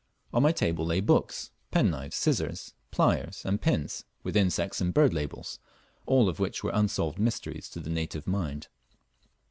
On my table lay books, penknives, scissors, pliers, and pins, with insect and bird labels, all of which were unsolved mysteries to the native mind.